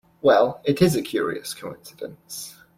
Well, it is a curious coincidence.